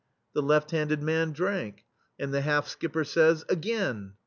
The left handed man drank. And the half skipper says: "Again!"